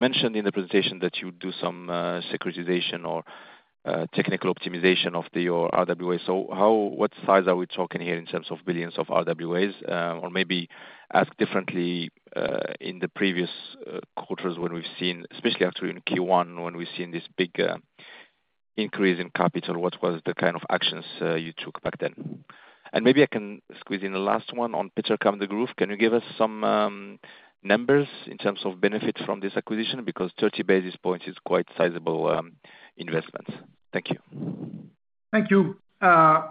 Mentioned in the presentation that you do some securitization or technical optimization of the, your RWA. How, what size are we talking here in terms of billions of RWAs? Or maybe asked differently, in the previous quarters, when we've seen, especially actually in Q1, when we've seen this big increase in capital, what was the kind of actions you took back then? Maybe I can squeeze in the last one on Petercam Degroof. Can you give us some numbers in terms of benefit from this acquisition? Because 30 basis points is quite sizable investment. Thank you. Thank you.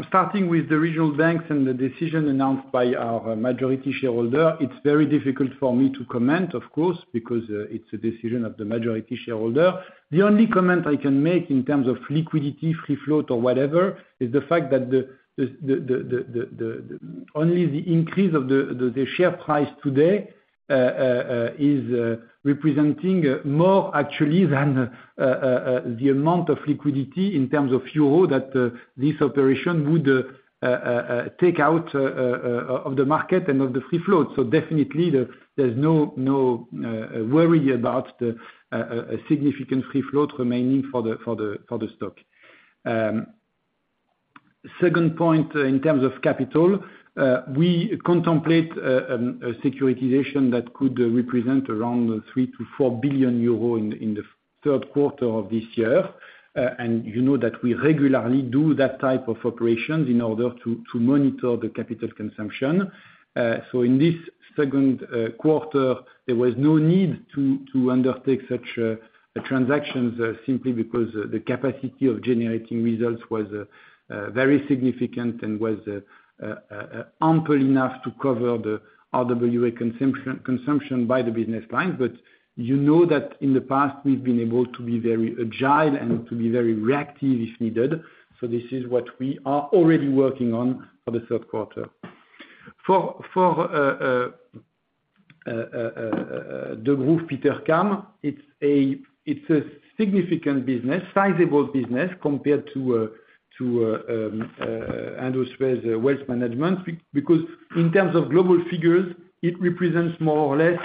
Starting with the regional banks and the decision announced by our majority shareholder, it's very difficult for me to comment, of course, because it's a decision of the majority shareholder. The only comment I can make in terms of liquidity, free flow, or whatever, is the fact that the increase of the share price today is representing more actually than the amount of liquidity in terms of euro that this operation would take out of the market and of the free flow. Definitely there's no, no worry about a significant free flow remaining for the stock. Second point, in terms of capital, we contemplate a securitization that could represent around 3 billion-4 billion euro in the third quarter of this year. You know, that we regularly do that type of operations in order to monitor the capital consumption. In this second quarter, there was no need to undertake such transactions simply because the capacity of generating results was very significant and was ample enough to cover the RWA consumption, consumption by the business line. You know that in the past we've been able to be very agile and to be very reactive if needed, so this is what we are already working on for the third quarter. For, Degroof Petercam, it's a significant business, sizable business compared to Indosuez Wealth Management. Because in terms of global figures, it represents more or less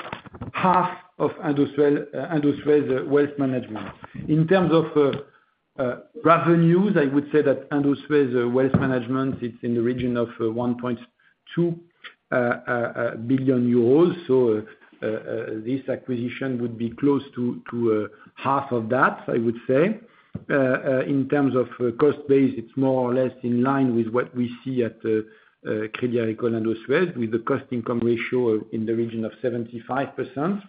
half of industrial, Indosuez Wealth Management. In terms of revenues, I would say that Indosuez Wealth Management, it's in the region of 1.2 billion euros. This acquisition would be close to half of that, I would say. In terms of cost base, it's more or less in line with what we see at the Crédit Agricole Indosuez, with the cost-to-income ratio in the region of 75%.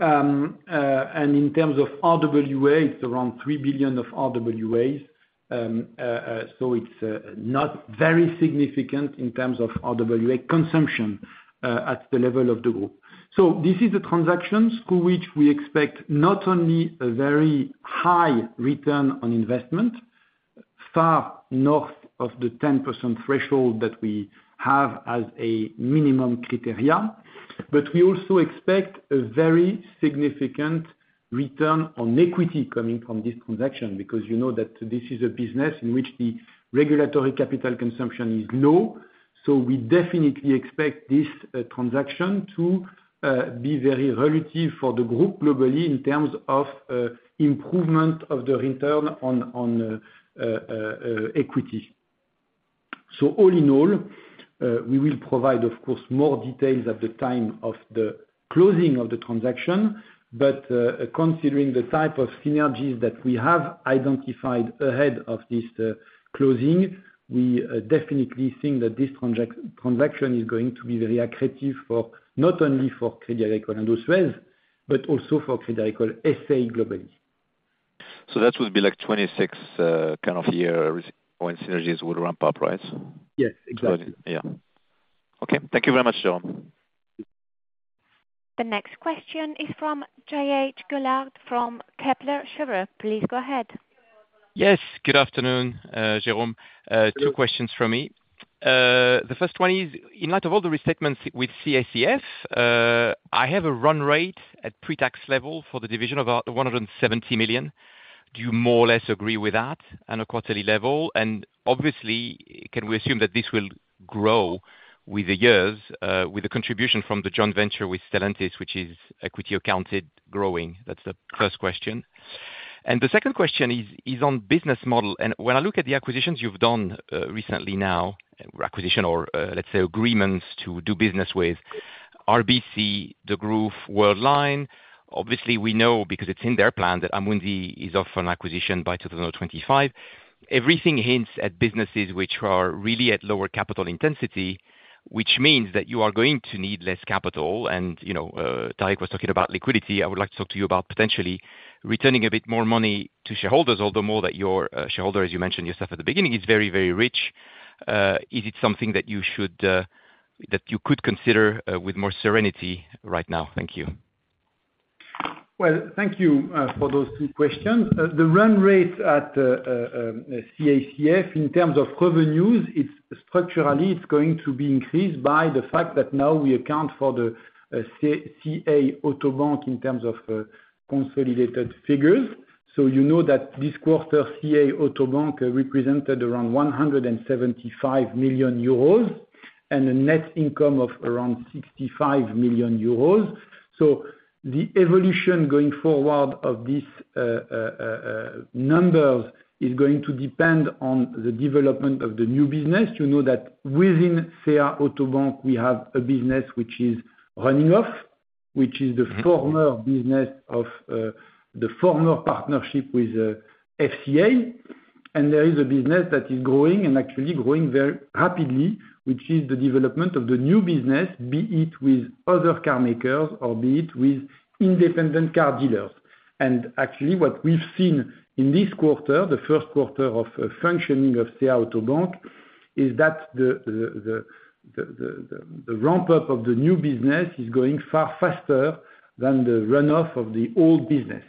In terms of RWA, it's around 3 billion of RWAs. It's not very significant in terms of RWA consumption at the level of the group. This is a transaction to which we expect not only a very high return on investment, far north of the 10% threshold that we have as a minimum criteria, but we also expect a very significant return on equity coming from this transaction. Because you know that this is a business in which the regulatory capital consumption is low, so we definitely expect this transaction to be very relative for the group globally, in terms of improvement of the return on equity. All in all, we will provide, of course, more details at the time of the closing of the transaction, but, considering the type of synergies that we have identified ahead of this, closing, we, definitely think that this transaction is going to be very accretive for, not only for Crédit Agricole Indosuez, but also for Crédit Agricole S.A., globally. That would be like 2026, kind of year, when synergies would ramp up, right? Yes, exactly. Yeah. Okay. Thank you very much, Jérôme. The next question is from Jacques-Henri Gaulard from Kepler Cheuvreux. Please go ahead. Yes, good afternoon, Jérôme. Two questions from me. The first one is, in light of all the restatements with CACF, I have a run rate at pre-tax level for the division of about 170 million. Do you more or less agree with that on a quarterly level? Obviously, can we assume that this will grow with the years, with the contribution from the joint venture with Stellantis, which is equity accounted growing? That's the first question. The second question is, is on business model, and when I look at the acquisitions you've done, recently now, or acquisition or, let's say agreements to do business with RBC, Degroof, Worldline, obviously we know, because it's in their plan, that Amundi is off an acquisition by 2025. Everything hints at businesses which are really at lower capital intensity, which means that you are going to need less capital. You know, Dave was talking about liquidity, I would like to talk to you about potentially returning a bit more money to shareholders, although more that your shareholder, as you mentioned yourself at the beginning, is very, very rich. Is it something that you should, that you could consider, with more serenity right now? Thank you. Well, thank you for those two questions. The run rate at CACF, in terms of revenues, it's structurally, it's going to be increased by the fact that now we account for the CA, CA Auto Bank in terms of consolidated figures. You know that this quarter, CA Auto Bank represented around 175 million euros and a net income of around 65 million euros. The evolution going forward of these numbers is going to depend on the development of the new business. You know that within CA Auto Bank, we have a business which is running off, which is the former business of the former partnership with FCA. There is a business that is growing, and actually growing very rapidly, which is the development of the new business, be it with other car makers or be it with independent car dealers. Actually, what we've seen in this quarter, the first quarter of functioning of CA Auto Bank, is that the ramp up of the new business is going far faster than the runoff of the old business.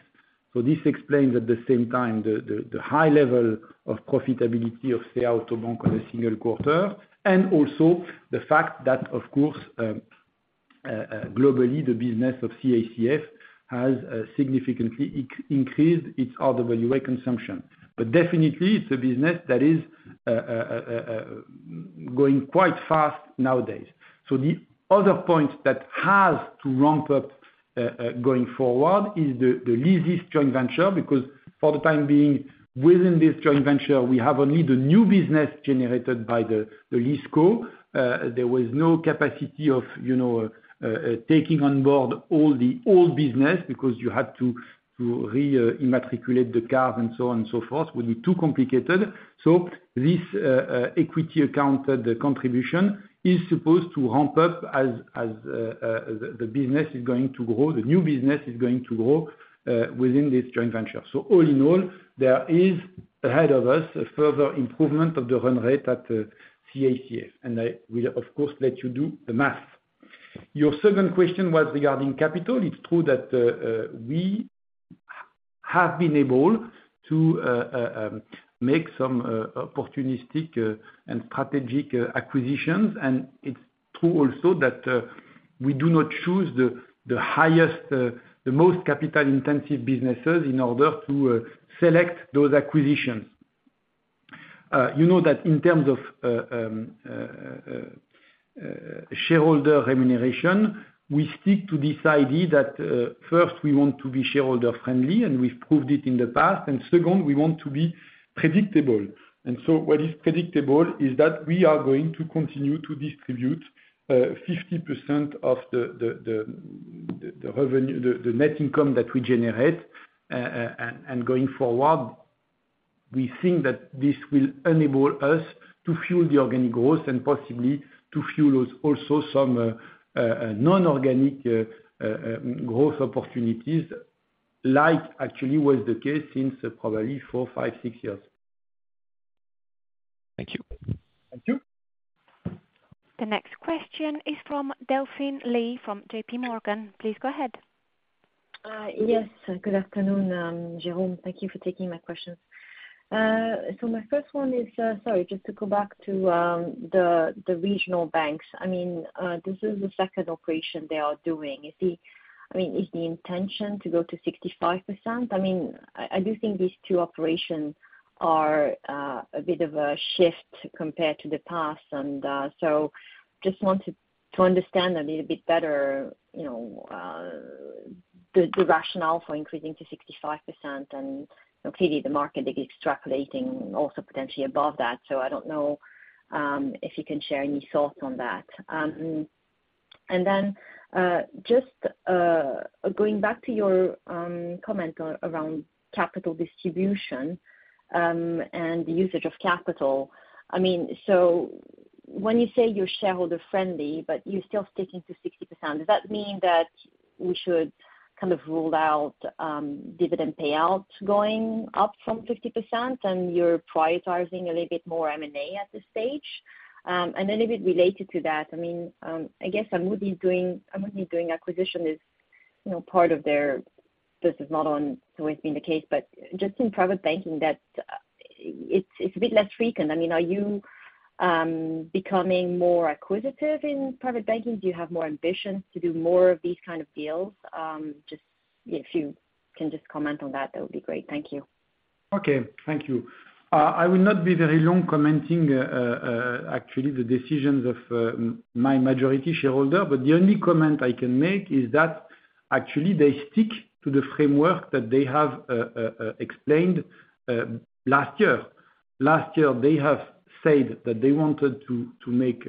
This explains, at the same time, the high level of profitability of CA Auto Bank on a single quarter, and also the fact that, of course, globally, the business of CACF has significantly increased its other value consumption. Definitely it's a business that is going quite fast nowadays. The other point that has to ramp up going forward, is the, the leases joint venture, because for the time being, within this joint venture, we have only the new business generated by the, the lease co. There was no capacity of, you know, taking on board all the old business, because you had to, to re-immatriculate the car, and so on and so forth, would be too complicated. This equity account, the contribution, is supposed to ramp up as, as, the, the business is going to grow, the new business is going to grow within this joint venture. All in all, there is, ahead of us, a further improvement of the run rate at CACF, and I will, of course, let you do the math. Your second question was regarding capital. It's true that we have been able to make some opportunistic and strategic acquisitions, and it's true also that we do not choose the highest, the most capital-intensive businesses in order to select those acquisitions. You know that in terms of shareholder remuneration, we stick to this idea that first, we want to be shareholder-friendly, and we've proved it in the past. Second, we want to be predictable. So what is predictable is that we are going to continue to distribute 50% of the revenue, the net income that we generate. Going forward, we think that this will enable us to fuel the organic growth, and possibly to fuel us, also, some non-organic growth opportunities, like actually was the case since probably four, five, six years. Thank you. Thank you. The next question is from Delphine Lee, from JPMorgan. Please go ahead. Yes, good afternoon, Jérôme. Thank you for taking my questions. My first one is... Sorry, just to go back to the regional banks. I mean, this is the second operation they are doing. Is the- I mean, is the intention to go to 65%? I mean, I, I do think these two operations are a bit of a shift compared to the past, and just wanted to understand a little bit better, you know, the rationale for increasing to 65%. Clearly, the market is extrapolating, also, potentially above that. I don't know if you can share any thoughts on that. Then, just going back to your comment around capital distribution and the usage of capital. I mean, so when you say you're shareholder-friendly, but you're still sticking to 60%, does that mean that we should kind of rule out dividend payouts going up from 50%, and you're prioritizing a little bit more M&A at this stage? And a little bit related to that, I mean, I guess Amundi's doing, Amundi doing acquisition is, you know, part of their, this is not on- always been the case, but just in private banking, that it's, it's a bit less frequent. I mean, are you becoming more acquisitive in private banking? Do you have more ambition to do more of these kind of deals? Just if you can just comment on that, that would be great. Thank you. Okay, thank you. I will not be very long commenting, actually, the decisions of my majority shareholder, but the only comment I can make is that actually they stick to the framework that they have explained last year. Last year, they have said that they wanted to make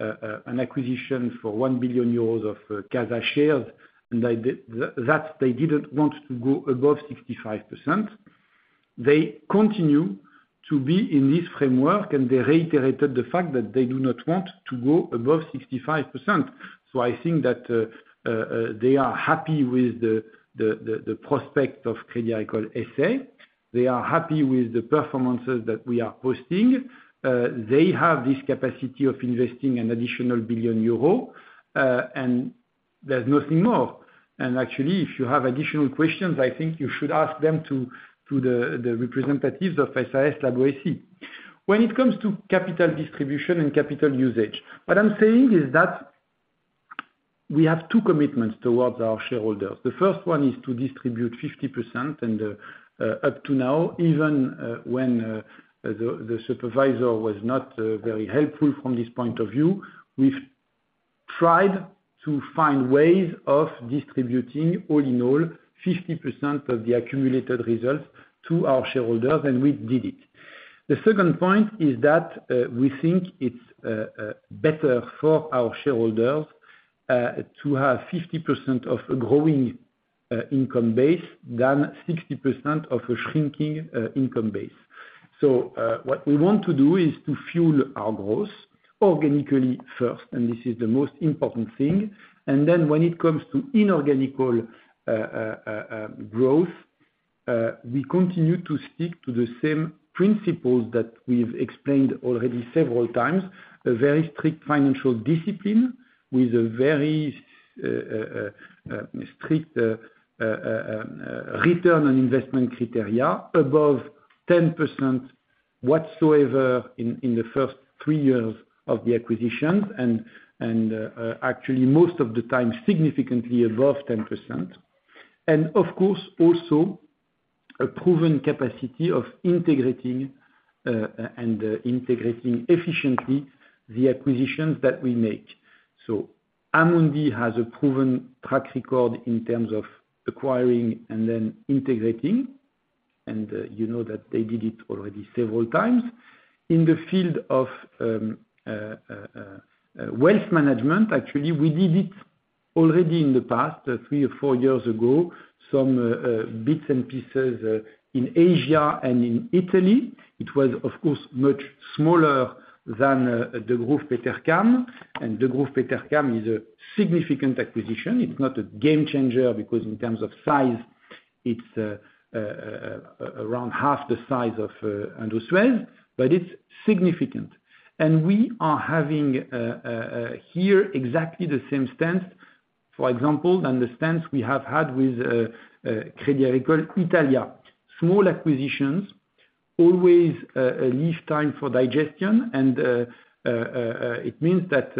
an acquisition for 1 billion euros of CASA shares, and they didn't want to go above 65%. They continue to be in this framework, and they reiterated the fact that they do not want to go above 65%. I think that they are happy with the prospect of Crédit Agricole S.A.. They are happy with the performances that we are posting. They have this capacity of investing an additional 1 billion euro, and there's nothing more. Actually, if you have additional questions, I think you should ask them to the representatives of SAS Rue La Boétie. When it comes to capital distribution and capital usage, what I'm saying is that we have two commitments towards our shareholders. The first one is to distribute 50%, and up to now, even when the supervisor was not very helpful from this point of view, we've tried to find ways of distributing, all in all, 50% of the accumulated results to our shareholders, and we did it. The second point is that we think it's better for our shareholders to have 50% of a growing income base than 60% of a shrinking income base. What we want to do is to fuel our growth organically first, and this is the most important thing. Then when it comes to inorganical growth, we continue to stick to the same principles that we've explained already several times. A very strict financial discipline, with a very strict return on investment criteria, above 10% whatsoever in the first three years of the acquisitions, and actually, most of the time, significantly above 10%. Of course, also a proven capacity of integrating, and integrating efficiently the acquisitions that we make. Amundi has a proven track record in terms of acquiring and then integrating, and you know that they did it already several times. In the field of wealth management, actually, we did it already in the past, three or four years ago, some bits and pieces in Asia and in Italy. It was, of course, much smaller than the Degroof Petercam, and the Degroof Petercam is a significant acquisition. It's not a game changer, because in terms of size, it's around half the size of Indosuez, but it's significant. We are having here, exactly the same stance, for example, than the stance we have had with Crédit Agricole Italia. Small acquisitions, always, a leave time for digestion, and it means that,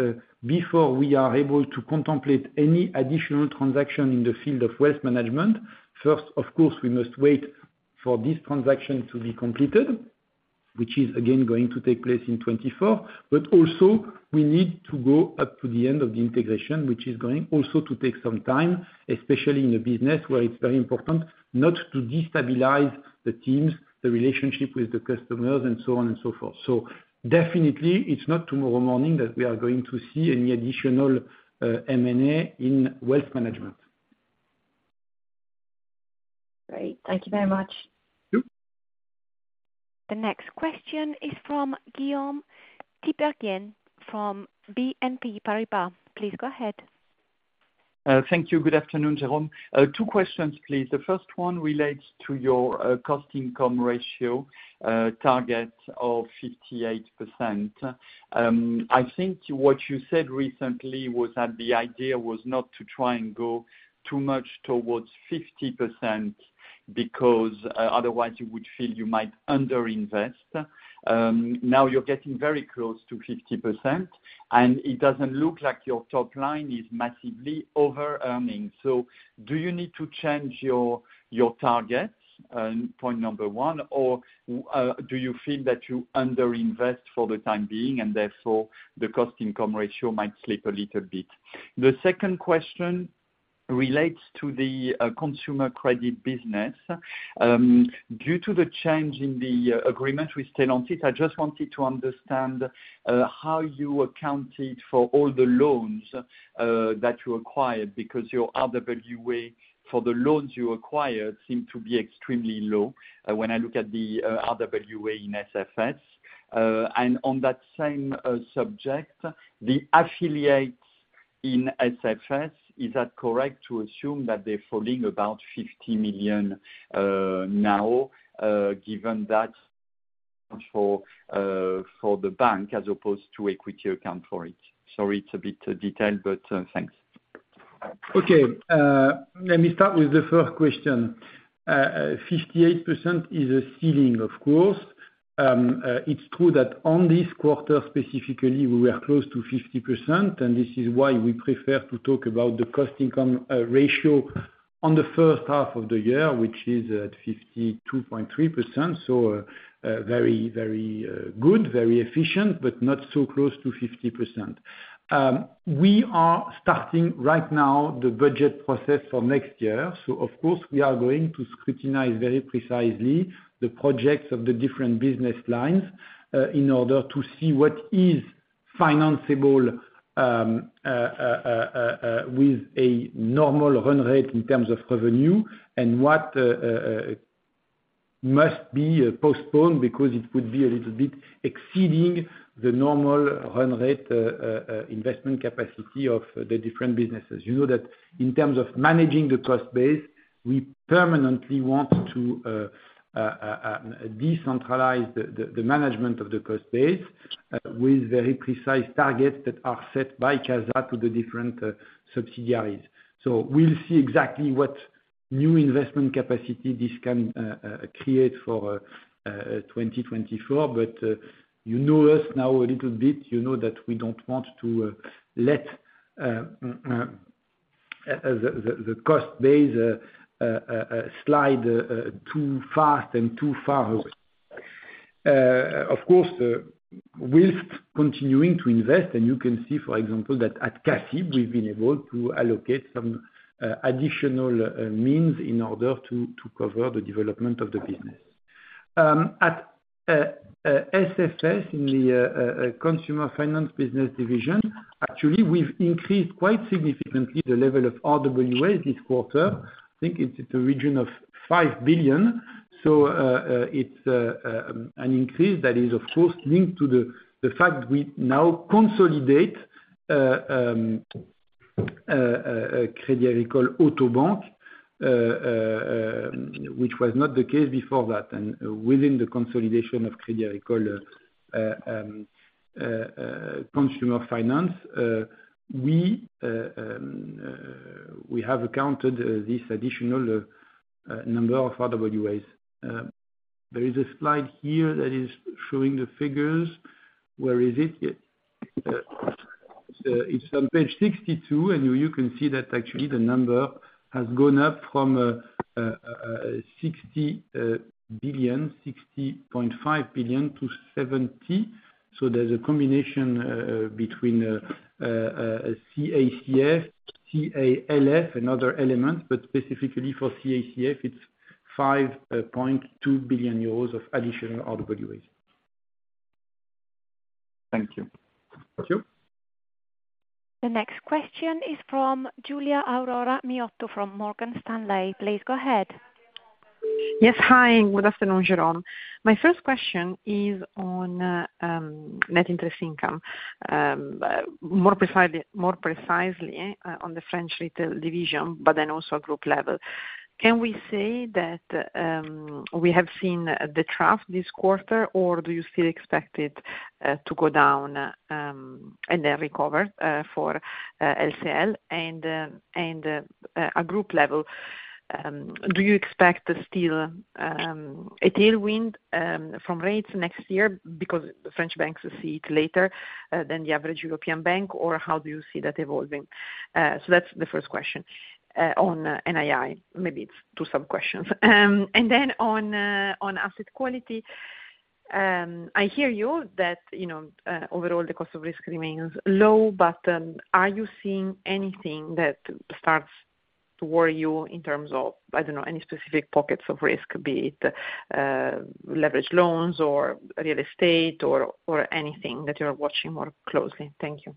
before we are able to contemplate any additional transaction in the field of waste management, first, of course, we must wait for this transaction to be completed, which is, again, going to take place in 2024. Also, we need to go up to the end of the integration, which is going also to take some time, especially in a business where it's very important not to destabilize the teams, the relationship with the customers, and so on and so forth. Definitely, it's not tomorrow morning that we are going to see any additional M&A in wealth management. Great. Thank you very much. Thank you. The next question is from Guillaume Tiberghien, from BNP Paribas. Please go ahead. Thank you. Good afternoon, Jérôme. Two questions, please. The first one relates to your cost-to-income ratio target of 58%. I think what you said recently was that the idea was not to try and go too much towards 50%, because otherwise you would feel you might under-invest. Now you're getting very close to 50%, and it doesn't look like your top line is massively over-earning. Do you need to change your, your target, point number one, or, w- do you feel that you under-invest for the time being, and therefore, the cost-to-income ratio might slip a little bit? The second question relates to the consumer credit business. Due to the change in the agreement with Stellantis, I just wanted to understand how you accounted for all the loans that you acquired, because your RWA for the loans you acquired seem to be extremely low when I look at the RWA in SFS. On that same subject, the affiliates in SFS, is that correct to assume that they're falling about 50 million now given that for for the bank, as opposed to equity account for it? Sorry, it's a bit detailed, but, thanks. Okay. Let me start with the first question. 58% is a ceiling, of course. It's true that on this quarter, specifically, we are close to 50%, this is why we prefer to talk about the cost-to-income ratio on the first half of the year, which is at 52.3%. Very, very good, very efficient, but not so close to 50%. We are starting right now the budget process for next year, so of course, we are going to scrutinize very precisely the projects of the different business lines, in order to see what is financeable, with a normal run rate in terms of revenue, and what must be postponed, because it could be a little bit exceeding the normal run rate, investment capacity of the different businesses. You know that in terms of managing the cost base, we permanently want to decentralize the, the, the management of the cost base, with very precise targets that are set by CASA to the different subsidiaries. So we'll see exactly what new investment capacity this can create for 2024. You know us now a little bit, you know that we don't want to let the cost base slide too fast and too far away. Of course, with continuing to invest, and you can see, for example, that at CACEIS, we've been able to allocate some additional means in order to cover the development of the business. At SFS, in the consumer finance business division, actually, we've increased quite significantly the level of RWA this quarter. I think it's the region of 5 billion. It's an increase that is, of course, linked to the fact we now consolidate Crédit Agricole Auto Bank, which was not the case before that. Within the consolidation of Crédit Agricole Consumer Finance, we have accounted this additional number of RWAs. There is a slide here that is showing the figures. Where is it? It's on Page 62, and you can see that actually the number has gone up from 60 billion, 60.5 billion to 70 billion. There's a combination between CACF, CALF, and other elements. Specifically for CACF, it's 5.2 billion euros of additional RWAs. Thank you. Thank you. The next question is from Giulia Aurora Miotto, from Morgan Stanley. Please go ahead. Yes. Hi, good afternoon, Jérôme. My first question is on net interest income, more precisely, on the French retail division, but then also group level. Can we say that we have seen the trough this quarter, or do you still expect it to go down, and then recover for LCL? At group level, do you expect still a tailwind from rates next year? Because the French banks see it later than the average European Bank, or how do you see that evolving? So that's the first question on NII. Maybe it's two sub-questions. Then on, on asset quality, I hear you, that, you know, overall the cost of risk remains low, but, are you seeing anything that starts to worry you in terms of, I don't know, any specific pockets of risk, be it, leverage loans or real estate or, or anything that you're watching more closely? Thank you.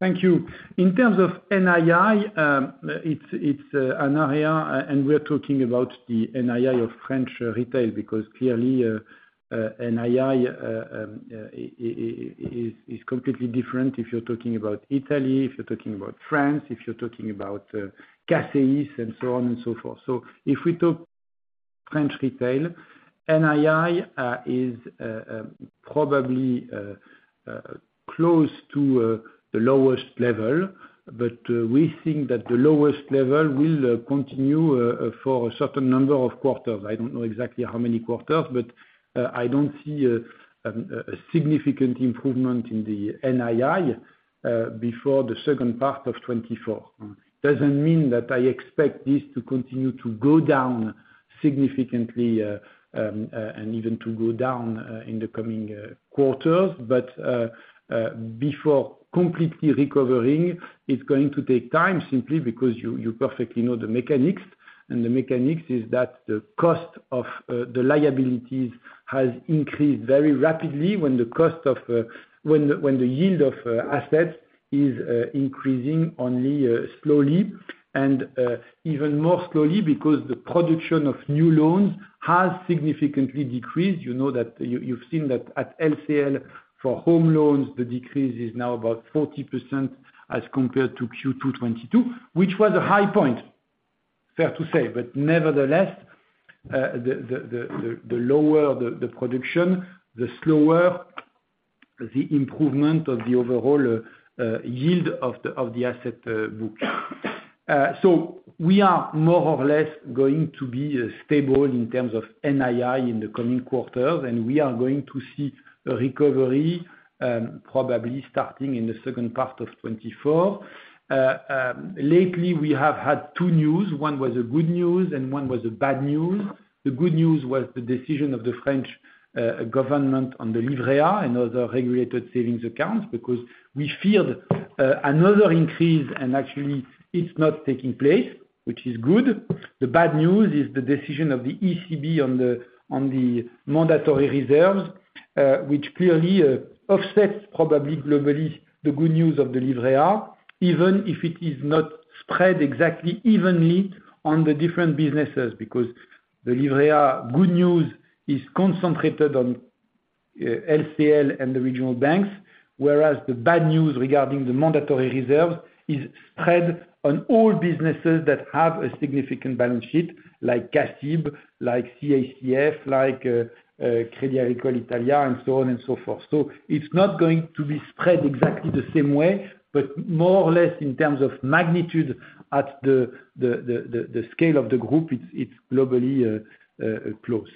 Thank you. In terms of NII, it's, it's an area. We're talking about the NII of French retail, because clearly, NII is completely different if you're talking about Italy, if you're talking about France, if you're talking about CACEIS, and so on and so forth. If we talk French retail, NII is probably close to the lowest level, but we think that the lowest level will continue for a certain number of quarters. I don't know exactly how many quarters, but I don't see a significant improvement in the NII before the second part of 2024. Doesn't mean that I expect this to continue to go down significantly, and even to go down in the coming quarters. Before completely recovering, it's going to take time, simply because you, you perfectly know the mechanics, and the mechanics is that the cost of the liabilities has increased very rapidly when the yield of assets is increasing only slowly. Even more slowly because the production of new loans has significantly decreased. You know that you've seen that at LCL, for home loans, the decrease is now about 40% as compared to Q2 2022, which was a high point, fair to say. Nevertheless, the lower the production, the slower the improvement of the overall yield of the asset book. We are more or less going to be stable in terms of NII in the coming quarters, and we are going to see a recovery, probably starting in the second part of 2024. Lately we have had two news. One was a good news and one was a bad news. The good news was the decision of the French government on the livret and other regulated savings accounts, because we feared another increase, and actually it's not taking place, which is good. The bad news is the decision of the ECB on the, on the mandatory reserves, which clearly offsets, probably globally, the good news of the livret, even if it is not spread exactly evenly on the different businesses. Because the livret good news is concentrated on LCL and the regional banks, whereas the bad news regarding the mandatory reserves is spread on all businesses that have a significant balance sheet, like CACEIS, like CACF, like Crédit Agricole Italia, and so on and so forth. It's not going to be spread exactly the same way, but more or less in terms of magnitude at the, the, the, the, the scale of the group, it's, it's globally close.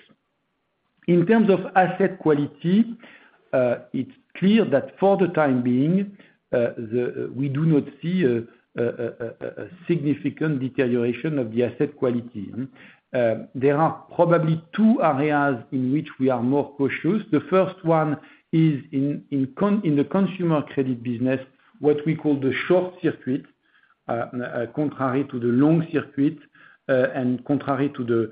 In terms of asset quality, it's clear that for the time being, the, we do not see a significant deterioration of the asset quality. There are probably two areas in which we are more cautious. The first one is in the consumer credit business, what we call the short circuit, contrary to the long circuit and contrary to the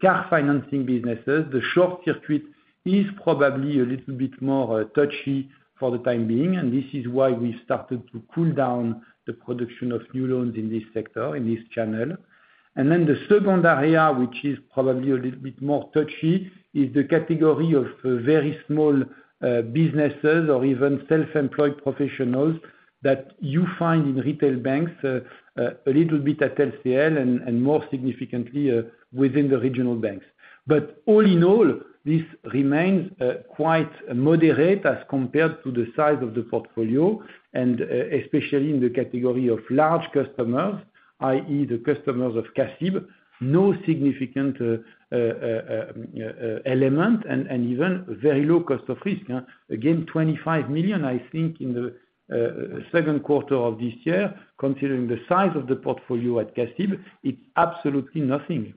car financing businesses, the short circuit is probably a little bit more touchy for the time being, and this is why we started to cool down the production of new loans in this sector, in this channel. The second area, which is probably a little bit more touchy, is the category of very small businesses or even self-employed professionals, that you find in retail banks, a little bit at LCL and more significantly within the regional banks. All in all, this remains quite moderate as compared to the size of the portfolio, and especially in the category of large customers, i.e., the customers of CACIB, no significant element, and even very low cost of risk, yeah. Again, 25 million, I think, in the second quarter of this year, considering the size of the portfolio at CACIB, it's absolutely nothing.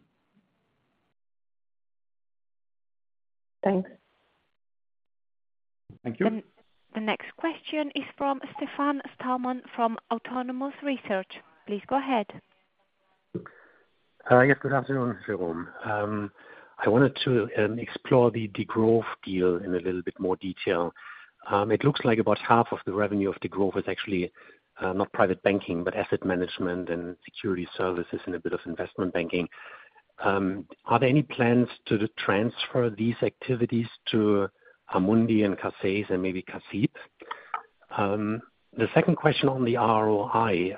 Thanks. Thank you. The next question is from Stefan Stalmann from Autonomous Research. Please go ahead. Yes, good afternoon, Jérôme. I wanted to explore the Degroof deal in a little bit more detail. It looks like about half of the revenue of Degroof is actually not private banking, but asset management and security services, and a bit of investment banking. Are there any plans to transfer these activities to Amundi and CACEIS and maybe CACIB? The second question on the ROI,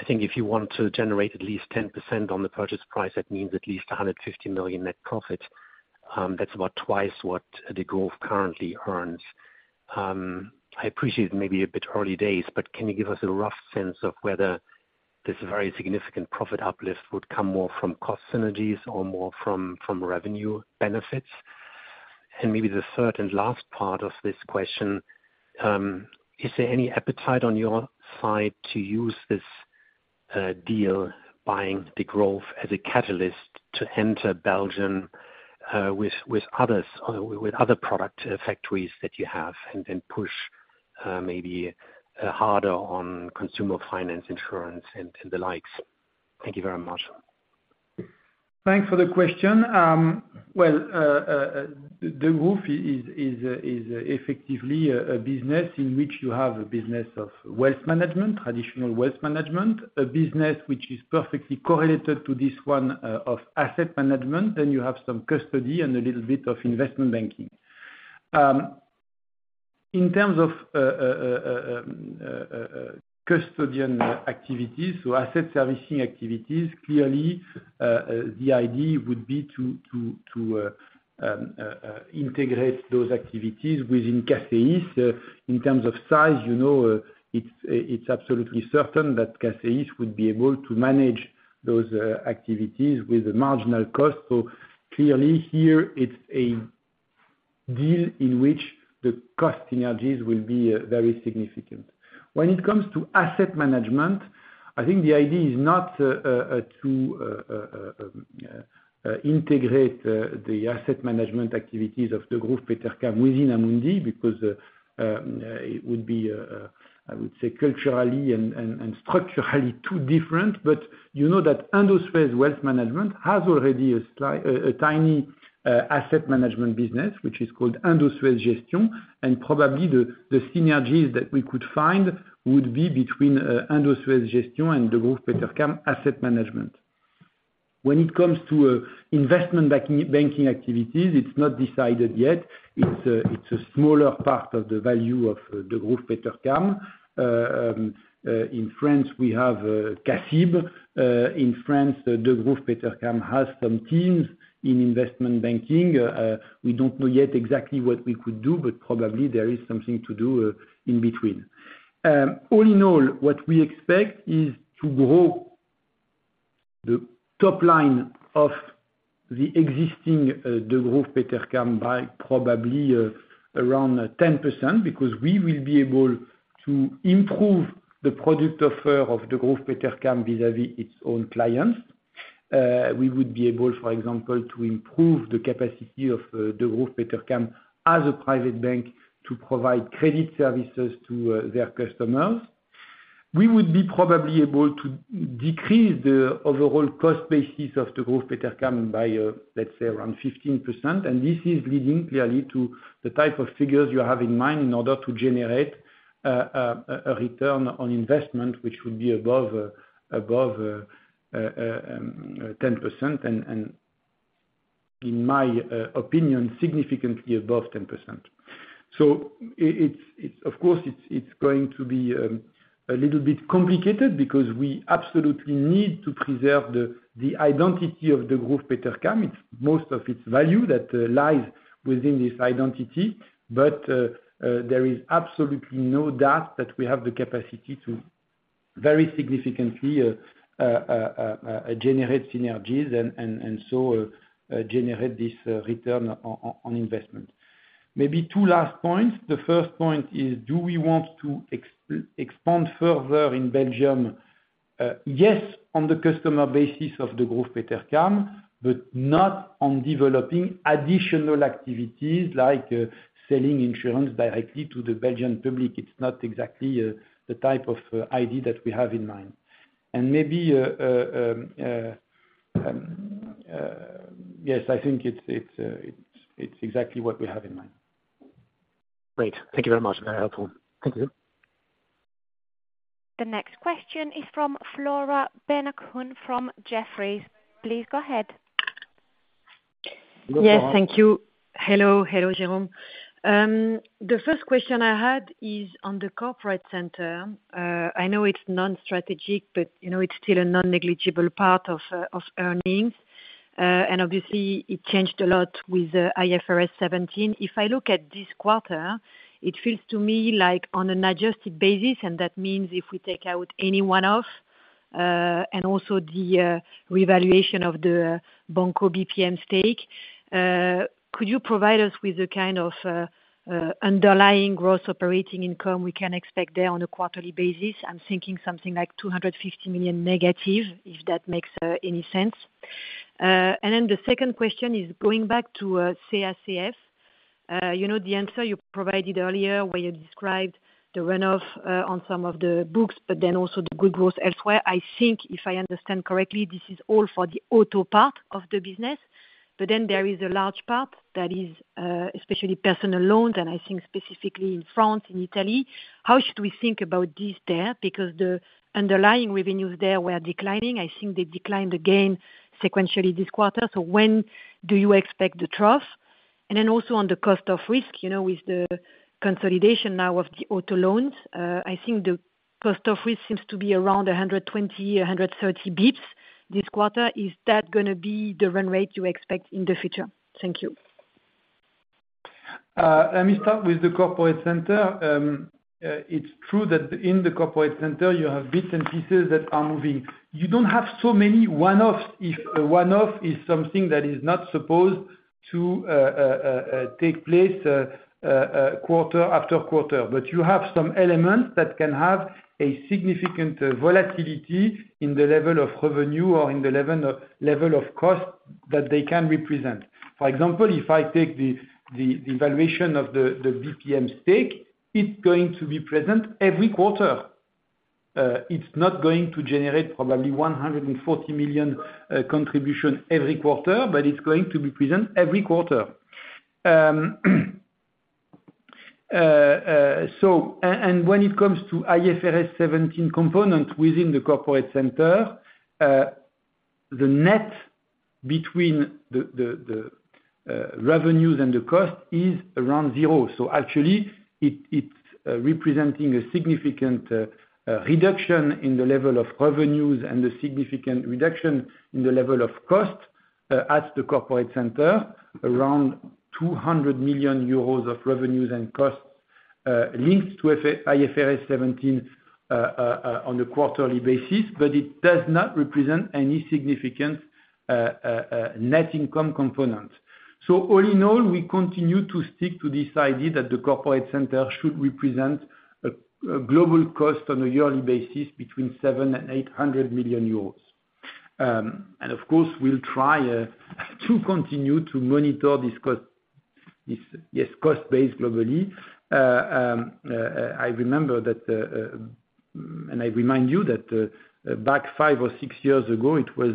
I think if you want to generate at least 10% on the purchase price, that means at least 150 million net profit. That's about twice what Degroof currently earns. I appreciate it may be a bit early days, but can you give us a rough sense of whether this very significant profit uplift would come more from cost synergies or more from, from revenue benefits? Maybe the third and last part of this question, is there any appetite on your side to use this deal, buying Degroof as a catalyst to enter Belgium, with others, with other product factories that you have, and then push, maybe, harder on consumer finance, insurance, and the likes? Thank you very much. Thanks for the question. Well, Degroof is, is, is effectively a, a business in which you have a business of wealth management, traditional wealth management, a business which is perfectly correlated to this one, of asset management, then you have some custody and a little bit of investment banking. In terms of custodian activities, so asset servicing activities, clearly, the idea would be to, to, to, integrate those activities within CACEIS. In terms of size, you know, it's, it's absolutely certain that CACEIS would be able to manage those activities with a marginal cost. Clearly here, it's a deal in which the cost synergies will be very significant. When it comes to asset management, I think the idea is not to integrate the asset management activities of Degroof Petercam within Amundi, because it would be, I would say, culturally and, and, and structurally too different. You know, that Indosuez Wealth Management has already a slight, a tiny, asset management business, which is called Indosuez Gestion, and probably the synergies that we could find would be between Indosuez Gestion and Degroof Petercam asset management. When it comes to investment bank- banking activities, it's not decided yet. It's a, it's a smaller part of the value of Degroof Petercam. In France, we have CACIB, in France, Degroof Petercam has some teams in investment banking. We don't know yet exactly what we could do, but probably there is something to do in between. All in all, what we expect is to grow the top line of the existing Degroof Petercam, by probably around 10%, because we will be able to improve the product offer of Degroof Petercam vis-à-vis its own clients. We would be able, for example, to improve the capacity of Degroof Petercam as a private bank to provide credit services to their customers. We would be probably able to decrease the overall cost basis of Degroof Petercam by, let's say around 15%. This is leading clearly to the type of figures you have in mind in order to generate a return on investment, which would be above, above 10%. In my opinion, significantly above 10%. It's of course, it's going to be a little bit complicated because we absolutely need to preserve the identity of Degroof Petercam. It's most of its value that lies within this identity. There is absolutely no doubt that we have the capacity to do it, very significantly, generate synergies and so generate this return on investment. Maybe two last points. The first point is: do we want to expand further in Belgium? yes, on the customer basis of the Degroof Petercam, but not on developing additional activities, like selling insurance directly to the Belgian public. It's not exactly the type of idea that we have in mind. maybe, yes, I think it's, it's, it's exactly what we have in mind. Great. Thank you very much. Very helpful. Thank you. The next question is from Flora Benhakoun from Jefferies. Please go ahead. Yes, thank you. Hello. Hello, Jérôme. The first question I had is on the corporate center. I know it's non-strategic, but, you know, it's still a non-negligible part of earnings. Obviously, it changed a lot with IFRS 17. If I look at this quarter, it feels to me like on an adjusted basis, and that means if we take out any one-off, and also the revaluation of the Banco BPM stake, could you provide us with a kind of underlying growth operating income we can expect there on a quarterly basis? I'm thinking something like 250 million negative, if that makes any sense. Then the second question is going back to CACF. You know, the answer you provided earlier where you described the runoff, on some of the books, but then also the good growth elsewhere, I think, if I understand correctly, this is all for the auto part of the business. There is a large part that is, especially personal loans, and I think specifically in France and Italy. How should we think about this there? The underlying revenues there were declining. I think they declined again sequentially this quarter, when do you expect the trough? Also on the cost of risk, you know, with the consolidation now of the auto loans, I think the cost of risk seems to be around 120, 130 bps this quarter. Is that gonna be the run rate you expect in the future? Thank you. Let me start with the corporate center. It's true that in the corporate center you have bits and pieces that are moving. You don't have so many one-offs, if a one-off is something that is not supposed to take place quarter after quarter. You have some elements that can have a significant volatility in the level of revenue or in the level of, level of cost that they can represent. For example, if I take the valuation of the Banco BPM stake, it's going to be present every quarter. It's not going to generate probably 140 million contribution every quarter, but it's going to be present every quarter. When it comes to IFRS 17 component within the corporate center, the net between the revenues and the cost is around zero. Actually, it, it's representing a significant reduction in the level of revenues and a significant reduction in the level of cost at the corporate center, around 200 million euros of revenues and costs linked to IFRS 17 on a quarterly basis, but it does not represent any significant net income component. All in all, we continue to stick to this idea that the corporate center should represent a global cost on a yearly basis between 700 million-800 million euros. Of course, we'll try to continue to monitor this cost, this, yes, cost base globally. I remember that and I remind you that back five or six years ago, it was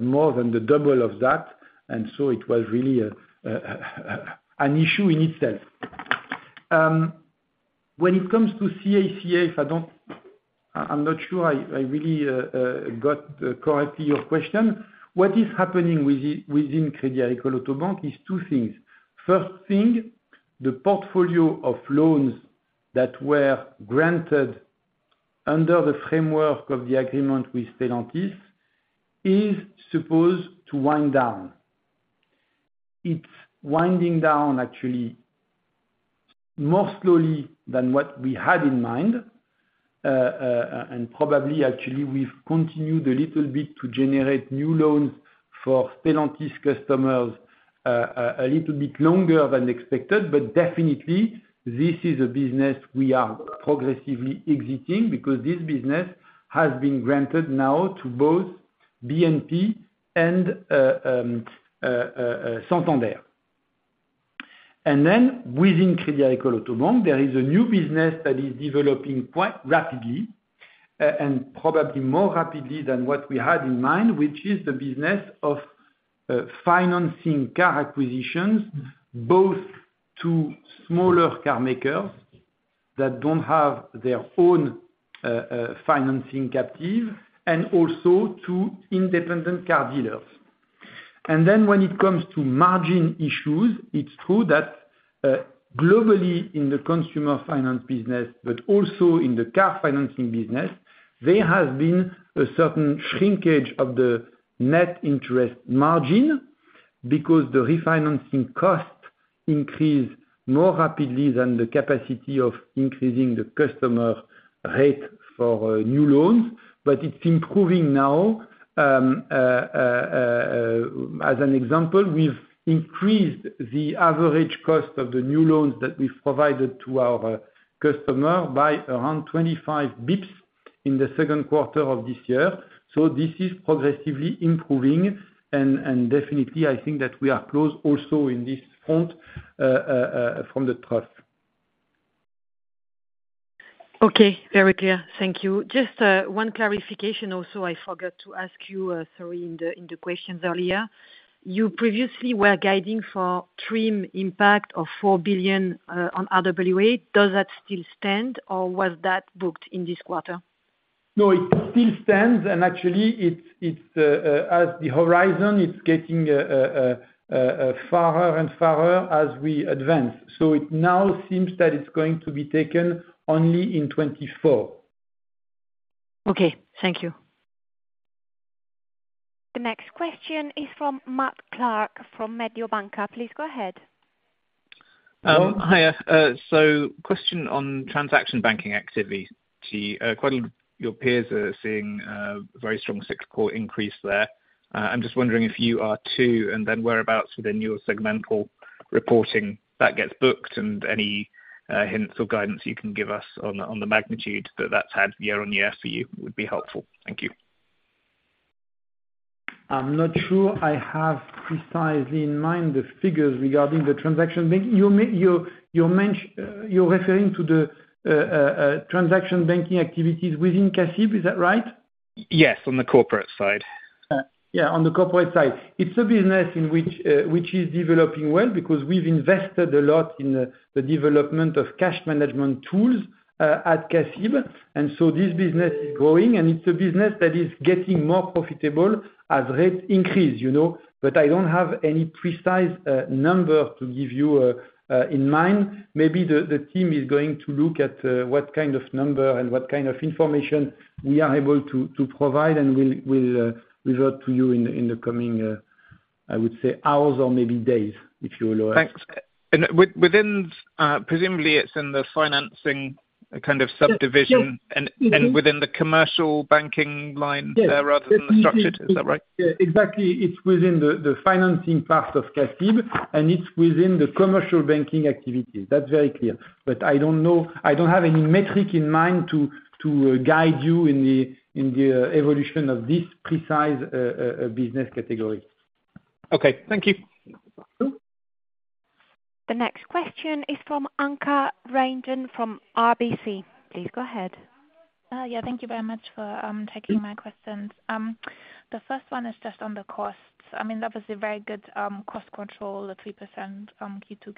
more than the double of that, and so it was really an issue in itself. When it comes to CACF, I don't, I'm not sure I, I really got correctly your question. What is happening within Crédit Agricole Auto Bank is two things. First thing, the portfolio of loans that were granted under the framework of the agreement with Stellantis is supposed to wind down. It's winding down actually, more slowly than what we had in mind and probably actually we've continued a little bit to generate new loans for Stellantis customers a little bit longer than expected, but definitely this is a business we are progressively exiting. Because this business has been granted now to both BNP and Santander. Within Crédit Agricole Auto Bank, there is a new business that is developing quite rapidly, and probably more rapidly than what we had in mind, which is the business of financing car acquisitions, both to smaller car makers that don't have their own financing captive, and also to independent car dealers. When it comes to margin issues, it's true that globally in the consumer finance business, but also in the car financing business, there has been a certain shrinkage of the net interest margin because the refinancing costs increase more rapidly than the capacity of increasing the customer rate for new loans, but it's improving now. As an example, we've increased the average cost of the new loans that we've provided to our customer by around 25 bps in the second quarter of this year. This is progressively improving, and definitely, I think that we are close also in this front, from the trough. Okay, very clear. Thank you. Just one clarification also, I forgot to ask you, sorry, in the questions earlier. You previously were guiding for TRIM impact of 4 billion on RWA. Does that still stand, or was that booked in this quarter? No, it still stands, and actually, it's, it's as the horizon, it's getting farther and farther as we advance. It now seems that it's going to be taken only in 2024. Okay, thank you. The next question is from Matt Clark, from Mediobanca. Please go ahead. Hiya. Question on transaction banking activity. Quite a lot of your peers are seeing very strong cyclical increase there. I'm just wondering if you are, too, whereabouts within your segmental reporting that gets booked, any hints or guidance you can give us on the magnitude that that's had year-on-year for you, would be helpful. Thank you. I'm not sure I have precisely in mind the figures regarding the transaction you're referring to the transaction banking activities within CACIB, is that right? Yes, on the corporate side. Yeah, on the corporate side. It's a business in which, which is developing well, because we've invested a lot in the, the development of cash management tools, at CACIB. This business is growing, and it's a business that is getting more profitable as rates increase, you know? I don't have any precise number to give you in mind. Maybe the, the team is going to look at what kind of number and what kind of information we are able to, to provide, and we'll, we'll revert to you in, in the coming, I would say, hours or maybe days, if you allow us. Thanks. within, presumably it's in the financing kind of subdivision. Yes, mm-hmm. Within the commercial banking line. Yes. Rather than the structured, is that right? Yeah, exactly. It's within the, the financing part of CACIB, and it's within the commercial banking activities. That's very clear, but I don't know... I don't have any metric in mind to, to guide you in the, in the evolution of this precise business category. Okay, thank you. Mm-hmm. The next question is from Anke Reingen, from RBC. Please go ahead. Yeah, thank you very much for taking my questions. The first one is just on the costs. I mean, that was a very good cost control, the 3%, Q2,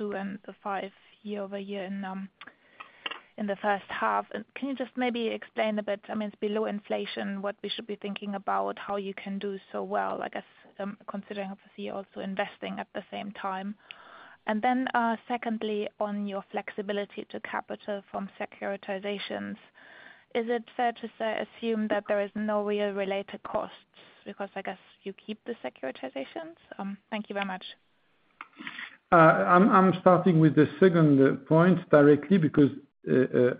Q2, and the 5% year-over-year in the first half. Can you just maybe explain a bit, I mean, it's below inflation, what we should be thinking about how you can do so well, I guess, considering obviously you're also investing at the same time. Secondly, on your flexibility to capital from securitizations, is it fair to say, assume that there is no real related costs, because I guess you keep the securitizations? Thank you very much. I'm starting with the second point directly, because,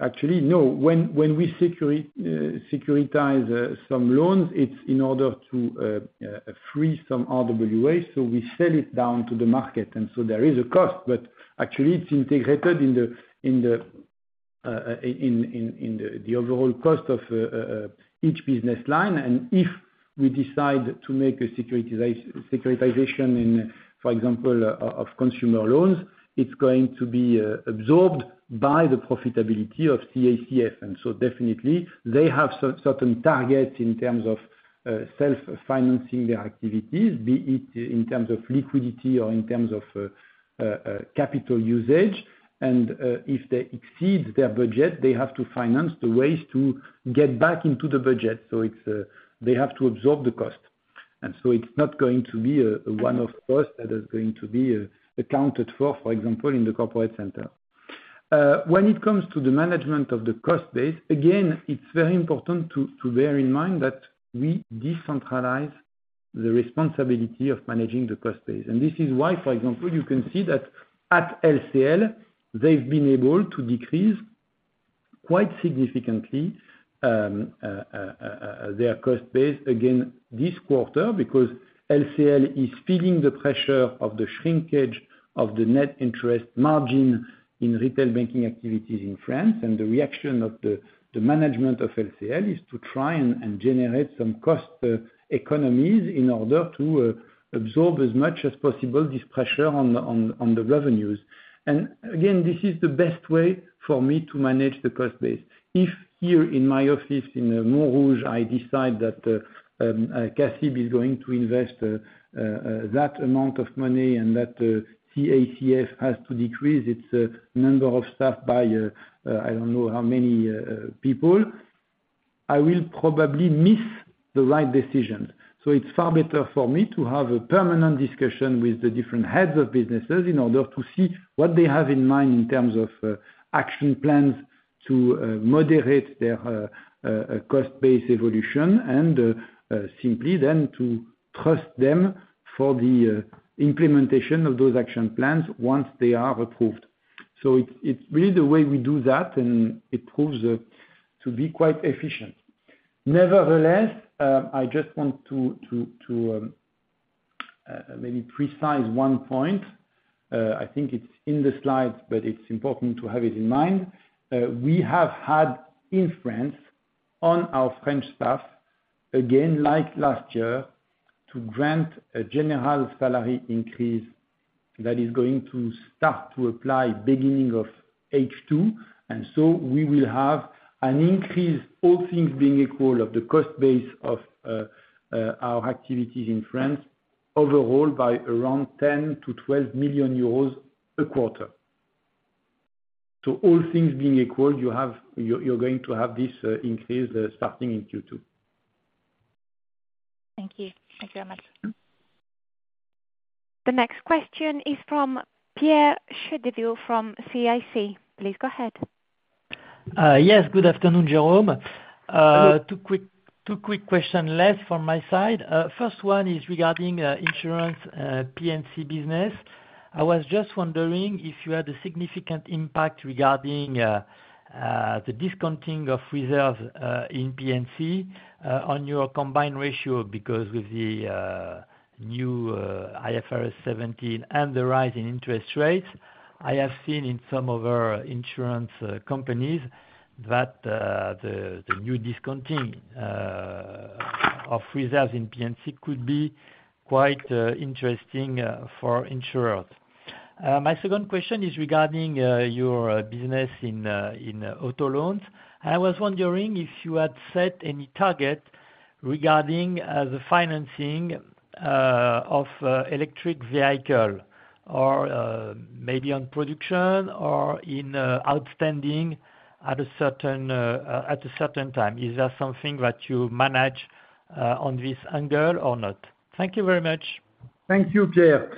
actually, no, when, when we securitize some loans, it's in order to free some RWA, so we sell it down to the market, and so there is a cost. But actually it's integrated in the, in the, in, in, in the, the overall cost of each business line. And if we decide to make a securitization in, for example, of consumer loans, it's going to be absorbed by the profitability of CACF. So definitely they have certain targets in terms of self-financing their activities, be it in terms of liquidity or in terms of capital usage. And if they exceed their budget, they have to finance the ways to get back into the budget. It's, they have to absorb the cost, and so it's not going to be a, a one-off cost that is going to be, accounted for, for example, in the corporate center. When it comes to the management of the cost base, again, it's very important to, to bear in mind that we decentralize the responsibility of managing the cost base. This is why, for example, you can see that at LCL, they've been able to decrease quite significantly, their cost base again this quarter, because LCL is feeling the pressure of the shrinkage of the net interest margin in retail banking activities in France. The reaction of the, the management of LCL is to try and, and generate some cost, economies in order to, absorb as much as possible, this pressure on the, on, on the revenues. Again, this is the best way for me to manage the cost base. If here in my office, in Montrouge, I decide that CACIB is going to invest that amount of money and that CACF has to decrease its number of staff by, I don't know how many, people, I will probably miss the right decision. It's far better for me to have a permanent discussion with the different heads of businesses in order to see what they have in mind in terms of action plans to moderate their cost-based evolution, and simply then to trust them for the implementation of those action plans once they are approved. It's, it's really the way we do that, and it proves, to be quite efficient. Nevertheless, I just want to precise one point. I think it's in the slides, but it's important to have it in mind. We have had influence on our French staff, again, like last year, to grant a general salary increase that is going to start to apply beginning of H2. So we will have an increase, all things being equal, of the cost base of our activities in France, overall, by around 10 million-12 million euros a quarter. All things being equal, you're going to have this increase starting in Q2. Thank you. Thank you very much. The next question is from Pierre Chédeville from CIC. Please go ahead. Yes, good afternoon, Jérôme. Two quick, two quick question, less from my side. First one is regarding insurance, P&C business. I was just wondering if you had a significant impact regarding the discounting of reserves in P&C on your combined ratio, because with the new IFRS 17, and the rise in interest rates, I have seen in some other insurance companies that the new discounting of reserves in P&C could be quite interesting for insurers. My second question is regarding your business in auto loans. I was wondering if you had set any target regarding the financing of electric vehicle, or maybe on production or in outstanding at a certain at a certain time. Is that something that you manage on this angle or not? Thank you very much. Thank you, Pierre.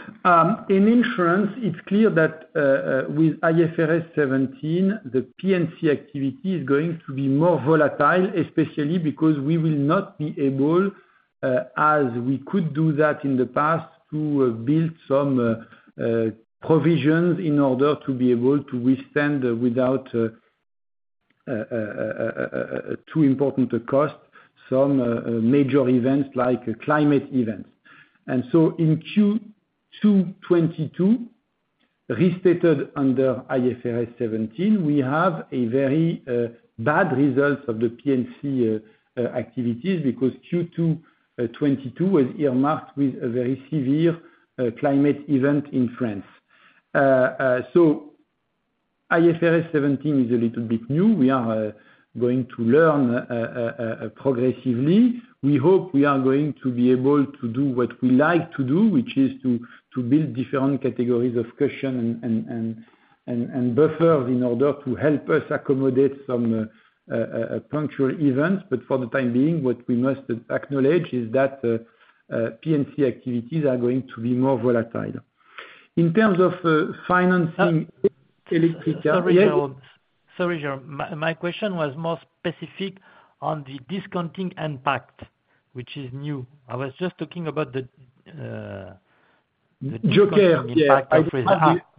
In insurance, it's clear that with IFRS 17, the P&C activity is going to be more volatile, especially because we will not be able, as we could do that in the past, to build some provisions in order to be able to withstand without a too important a cost, some major events like climate events. In Q2 2022, restated under IFRS 17, we have a very bad results of the P&C activities, because Q2 2022 was earmarked with a very severe climate event in France. IFRS 17 is a little bit new. We are going to learn progressively. We hope we are going to be able to do what we like to do, which is to, to build different categories of cushion and, and, and, and, and buffer, in order to help us accommodate some punctual events. For the time being, what we must acknowledge is that P&C activities are going to be more volatile. In terms of financing-. Sorry, Jérôme. Yes. Sorry, Jérôme. My, my question was more specific on the discounting impact, which is new. I was just talking about the. Okay. The discounting impact. Ah, okay.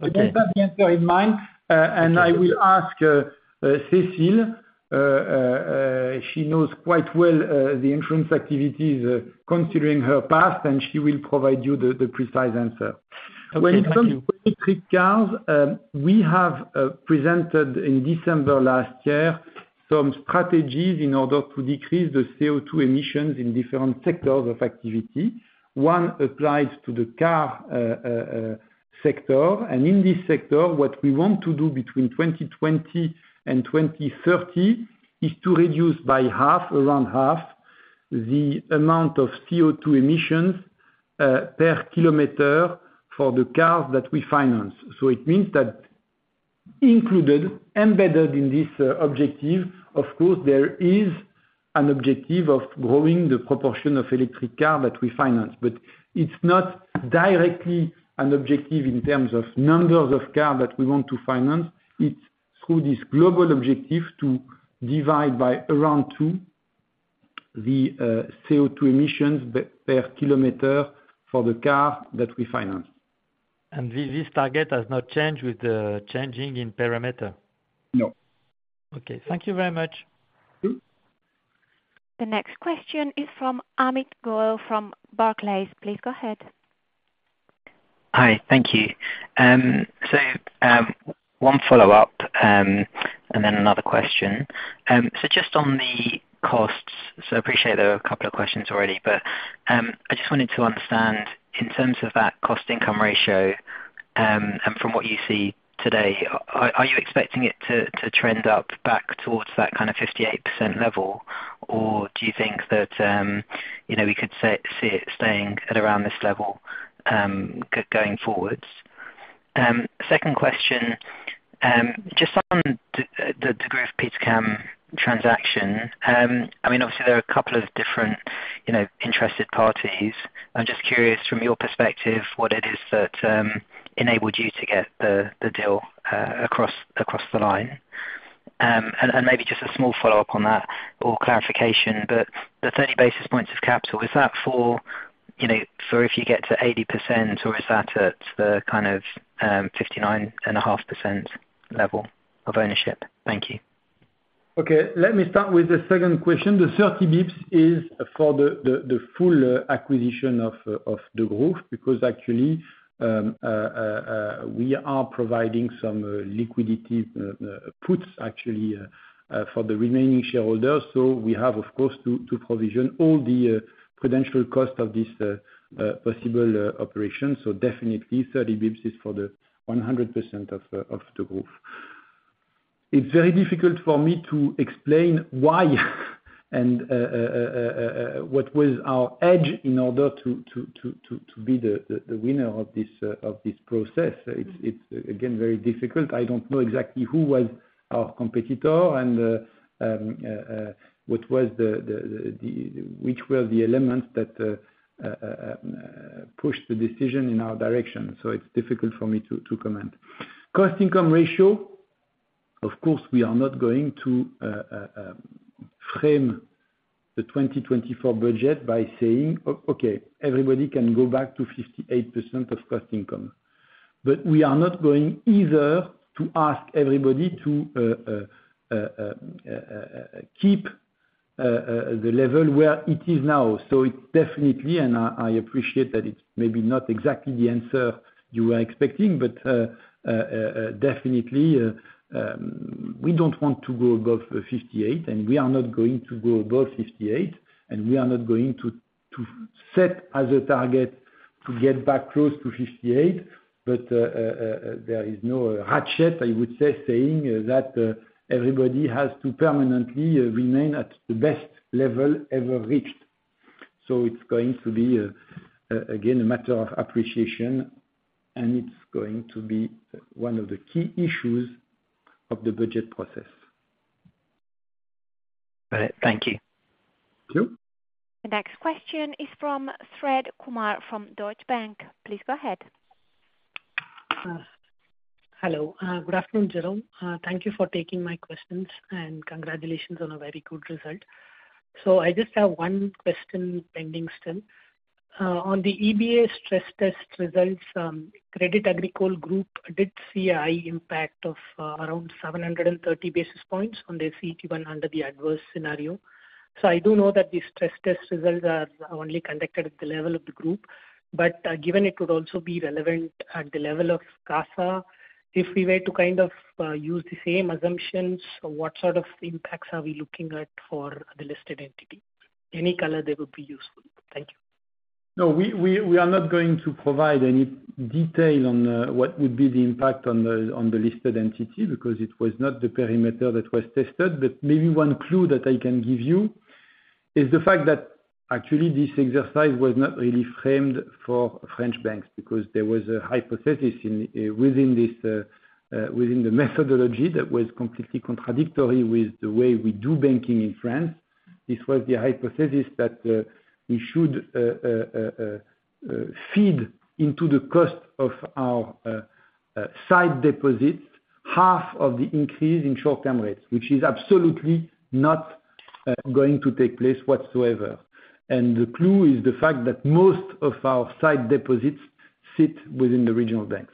I don't have the answer in mind. Okay. I will ask Cecile. She knows quite well the insurance activities, considering her past, and she will provide you the precise answer. Okay. Thank you. When it comes to electric cars, we have presented in December last year, some strategies in order to decrease the CO2 emissions in different sectors of activity. One applies to the car sector. In this sector, what we want to do between 2020 and 2030, is to reduce by half, around half, the amount of CO2 emissions per kilometer for the cars that we finance. It means that included, embedded in this objective, of course, there is an objective of growing the proportion of electric car that we finance. It's not directly an objective in terms of numbers of car that we want to finance. It's through this global objective to divide by around two, the CO2 emissions per kilometer for the car that we finance. This target has not changed with the changing in parameter? No. Okay. Thank you very much. Mm-hmm. The next question is from Amit Goel, from Barclays. Please go ahead. Hi. Thank you. One follow-up, and then another question. Just on the costs, so I appreciate there are a couple of questions already, but, I just wanted to understand, in terms of that cost-to-income ratio, and from what you see today, are, are you expecting it to, to trend up back towards that kind of 58% level? Or do you think that, you know, we could see it staying at around this level, going forwards? Second question, just on the, the, Degroof Petercam transaction, I mean, obviously there are a couple of different, you know, interested parties. I'm just curious from your perspective, what it is that, enabled you to get the, the deal, across, across the line?... Maybe just a small follow-up on that or clarification, but the 30 basis points of capital, is that for, you know, for if you get to 80%, or is that at the kind of, 59.5% level of ownership? Thank you. Okay, let me start with the second question. The 30 basis points is for the, the, the full acquisition of the group, because actually, we are providing some liquidity puts actually for the remaining shareholders. We have, of course, to, to provision all the credential cost of this possible operation. Definitely 30 basis points is for the 100% of the group. It's very difficult for me to explain why and what was our edge in order to, to, to, to, to be the, the, the winner of this process. It's, it's again, very difficult. I don't know exactly who was our competitor and what was the, the, the, the... Which were the elements that pushed the decision in our direction. So it's difficult for me to, to comment. cost-to-income ratio, of course, we are not going to frame the 2024 budget by saying, "O-okay, everybody can go back to 58% of cost income." We are not going either to ask everybody to keep the level where it is now. It definitely, and I, I appreciate that it's maybe not exactly the answer you were expecting, but definitely, we don't want to go above 58, and we are not going to go above 58, and we are not going to, to set as a target to get back close to 58. There is no hatchet, I would say, saying that everybody has to permanently remain at the best level ever reached. It's going to be, again, a matter of appreciation, and it's going to be one of the key issues of the budget process. All right. Thank you. Thank you. The next question is from Fred Kumar from Deutsche Bank. Please go ahead. Hello. Good afternoon, Jérôme. Thank you for taking my questions, and congratulations on a very good result. I just have one question pending still. On the EBA stress test results, Crédit Agricole group did see a high impact of around 730 basis points on the CET1 under the adverse scenario. I do know that the stress test results are only conducted at the level of the group, but given it would also be relevant at the level of CASA, if we were to kind of use the same assumptions, what sort of impacts are we looking at for the listed entity? Any color there would be useful. Thank you. No, we, we, we are not going to provide any detail on what would be the impact on the on the listed entity, because it was not the perimeter that was tested. Maybe one clue that I can give you is the fact that actually this exercise was not really framed for French banks, because there was a hypothesis within this within the methodology that was completely contradictory with the way we do banking in France. This was the hypothesis that we should feed into the cost of our sight deposits, half of the increase in short-term rates, which is absolutely not going to take place whatsoever. The clue is the fact that most of our sight deposits sit within the regional banks.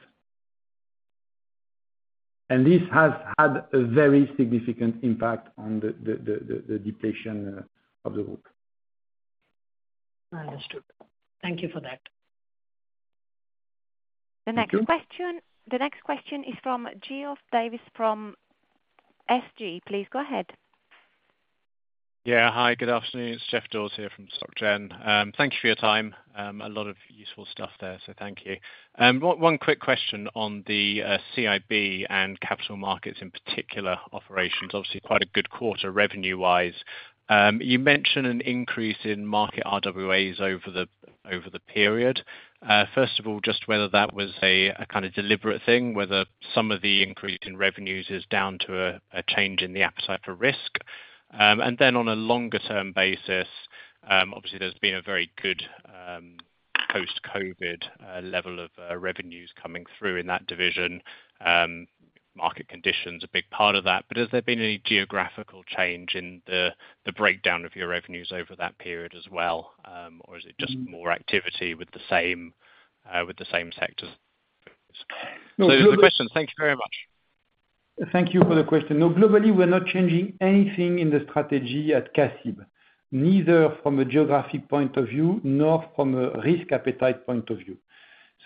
This has had a very significant impact on the, the, the, the, the depiction of the group. Understood. Thank you for that. The next question- Thank you. The next question is from Geoff Davis from SG. Please go ahead. Yeah. Hi, good afternoon. It's Geoff Davis here from SocGen. Thank you for your time. A lot of useful stuff there, so thank you. One quick question on the CIB and capital markets in particular, operations. Obviously, quite a good quarter revenue-wise. You mentioned an increase in market RWAs over the period. First of all, just whether that was a kind of deliberate thing, whether some of the increase in revenues is down to a change in the appetite for risk. Then on a longer-term basis, obviously there's been a very good post-COVID level of revenues coming through in that division. Market conditions a big part of that, has there been any geographical change in the breakdown of your revenues over that period as well? Um, or is it just- Mm. -more activity with the same, with the same sectors? No. Those are the questions. Thank you very much. Thank you for the question. No, globally, we're not changing anything in the strategy at CACIB, neither from a geographic point of view, nor from a risk appetite point of view.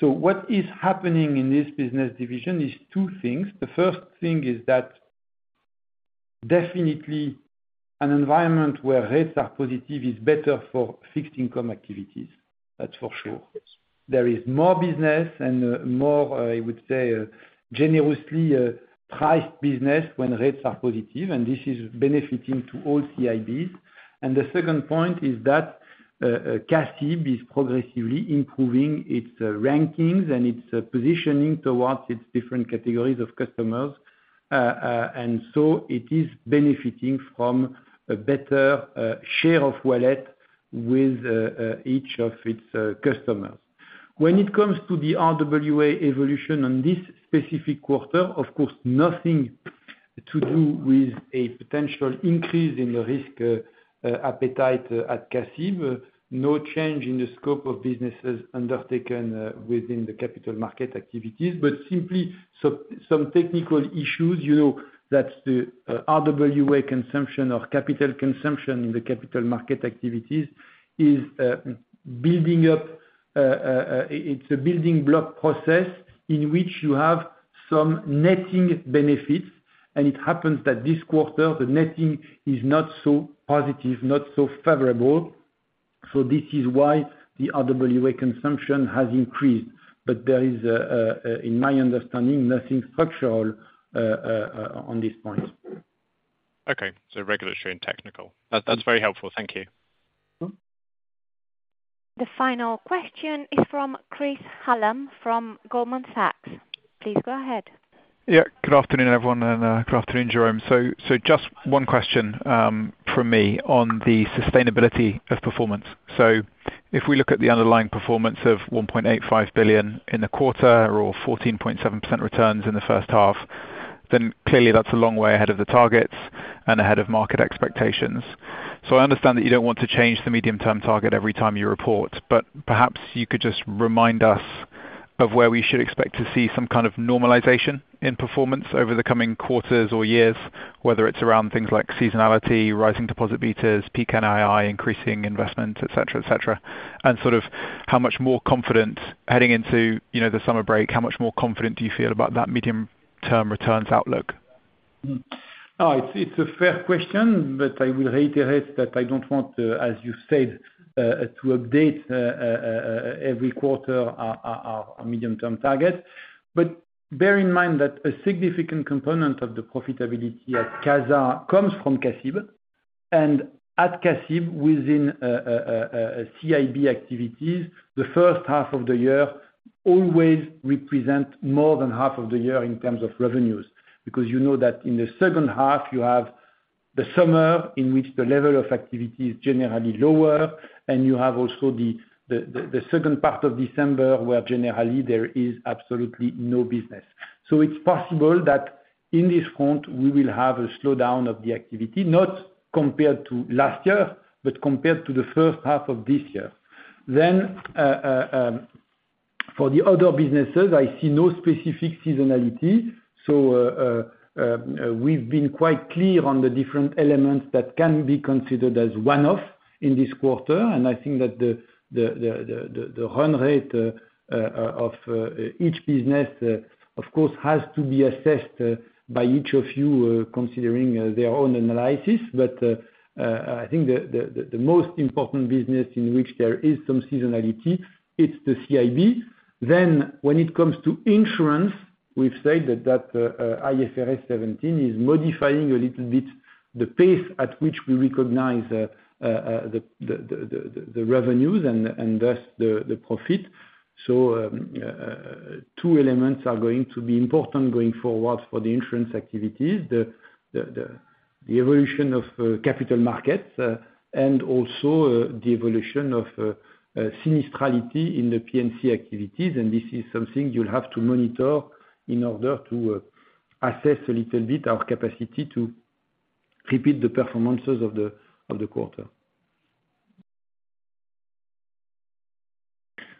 What is happening in this business division is two things. The first thing is that definitely an environment where rates are positive is better for fixed income activities, that's for sure. There is more business and more, I would say, generously, priced business when rates are positive, and this is benefiting to all CIBs. The second point is that CACIB is progressively improving its rankings and its positioning towards its different categories of customers. It is benefiting from a better share of wallet-... with each of its customers. When it comes to the RWA evolution on this specific quarter, of course, nothing to do with a potential increase in the risk appetite at CACIB. No change in the scope of businesses undertaken within the capital market activities, but simply some, some technical issues, you know, that's the RWA consumption or capital consumption in the capital market activities, is building up, it's a building block process in which you have some netting benefits, and it happens that this quarter, the netting is not so positive, not so favorable, so this is why the RWA consumption has increased. There is in my understanding, nothing structural on this point. Okay, regulatory and technical. That's very helpful. Thank you. Mm-hmm. The final question is from Chris Hallam from Goldman Sachs. Please go ahead. Yeah. Good afternoon, everyone, and good afternoon, Jérôme. So just one question from me on the sustainability of performance. If we look at the underlying performance of 1.85 billion in the quarter, or 14.7% returns in the first half, clearly that's a long way ahead of the targets and ahead of market expectations. I understand that you don't want to change the medium-term target every time you report, perhaps you could just remind us of where we should expect to see some kind of normalization in performance over the coming quarters or years, whether it's around things like seasonality, rising deposit betas, peak NII, increasing investment, et cetera, et cetera. Sort of how much more confident heading into, you know, the summer break, how much more confident do you feel about that medium-term returns outlook? It's, it's a fair question. I will reiterate that I don't want to, as you said, to update every quarter our, our, our medium-term target. Bear in mind that a significant component of the profitability at CASA comes from CACIB, and at CACIB, within CIB activities, the first half of the year always represent more than half of the year in terms of revenues. You know that in the second half, you have the summer, in which the level of activity is generally lower, and you have also the second part of December, where generally there is absolutely no business. It's possible that in this front, we will have a slowdown of the activity, not compared to last year, but compared to the first half of this year. For the other businesses, I see no specific seasonality, so, we've been quite clear on the different elements that can be considered as one-off in this quarter. I think that the, the, the, the, the run rate of each business, of course, has to be assessed by each of you, considering their own analysis. I think the, the, the, most important business in which there is some seasonality, it's the CIB. When it comes to insurance, we've said that that IFRS 17 is modifying a little bit, the pace at which we recognize the, the, the, the revenues and, and thus the, the profit. Two elements are going to be important going forward for the insurance activities, the evolution of capital markets, and also the evolution of sinistrality in the P&C activities, and this is something you'll have to monitor in order to assess a little bit, our capacity to repeat the performances of the quarter.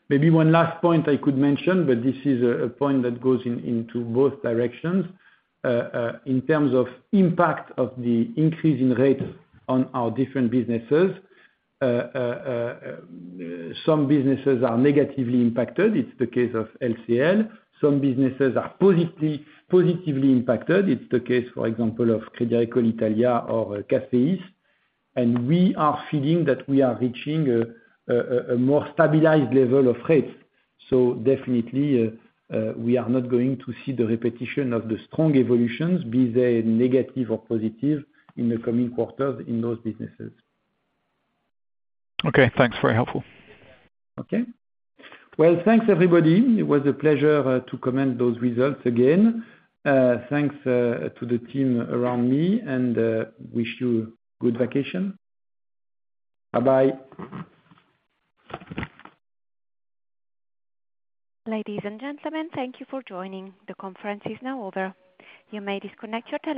Maybe one last point I could mention, but this is a point that goes in, into both directions. In terms of impact of the increase in rates on our different businesses, some businesses are negatively impacted. It's the case of LCL. Some businesses are positively, positively impacted, it's the case, for example, of Crédit Agricole Italia or CACEIS. We are feeling that we are reaching a more stabilized level of rates, so definitely, we are not going to see the repetition of the strong evolutions, be they negative or positive, in the coming quarters in those businesses. Okay, thanks. Very helpful. Okay. Well, thanks, everybody. It was a pleasure to comment those results again. Thanks to the team around me, and wish you good vacation. Bye-bye. Ladies and gentlemen, thank you for joining. The conference is now over. You may disconnect your telephones.